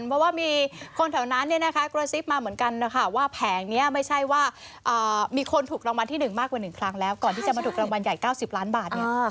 เพราะว่ามีคนแถวนั้นกระซิบมาเหมือนกันนะคะว่าแผงนี้ไม่ใช่ว่ามีคนถูกรางวัลที่๑มากกว่า๑ครั้งแล้วก่อนที่จะมาถูกรางวัลใหญ่๙๐ล้านบาทเนี่ย